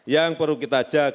yang perlu kita jelaskan